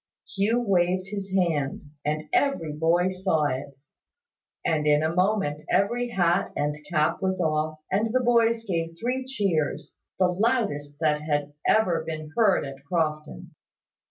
Hugh waved his hand; and every boy saw it; and in a moment every hat and cap was off, and the boys gave three cheers, the loudest that had ever been heard at Crofton.